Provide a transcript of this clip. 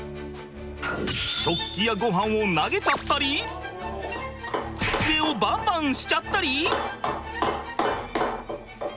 食器やごはんを投げちゃったり机をバンバンしちゃったり。